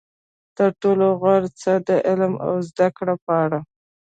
تر ټولو غوره څه د علم او زده کړې په اړه.